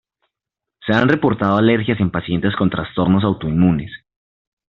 Se han reportado alergias en pacientes con trastornos autoinmunes.